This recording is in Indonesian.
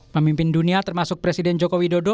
pemimpin dunia termasuk presiden joko widodo